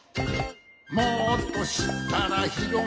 「もっとしったらひろがるよ」